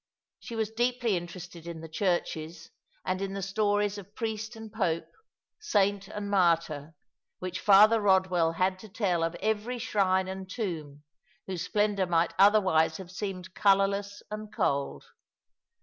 She was deeply interested in the churches, and in the stories of priest and pope, saint and martyr, which Father Eodwell had to tell of every shrine and tomb, whose splendour might otherwise have seemed colourless and cold.